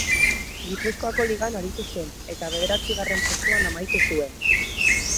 Gipuzkoako Ligan aritu zen eta bederatzigarren postuan amaitu zuen.